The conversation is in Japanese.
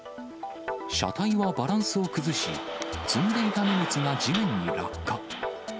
車体はバランスを崩し、積んでいた荷物が地面に落下。